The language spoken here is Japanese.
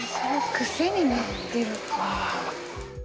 癖になってる。